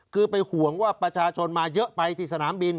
คือไปห่วงว่าประชาชนมาเยอะไปที่สนามบิน